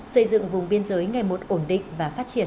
xây dựng vùng biên giới ngày một ổn định và phát triển